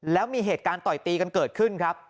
แล้วมีเหตุการณ์ต่อยตีกันเกิดขึ้นครับ